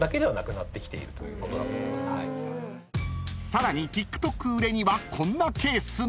［さらにＴｉｋＴｏｋ売れにはこんなケースも］